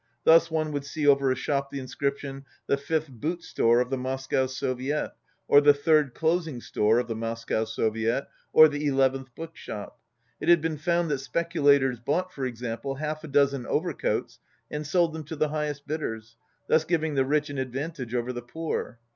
Thus, one would see over a shop the inscription, "The 5th Boot Store of the Moscow Soviet" or "The 3rd Clothing Store of the Moscow Soviet" or "The 11th Book Shop." It had been found that speculators bought, for example, half a dozen overcoats, and sold them to the highest bidders, thus giving the rich an advantage over the poor.